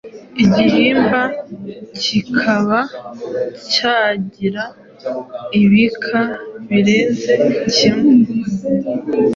igihimba kikaba cyagira ibika birenze kimwe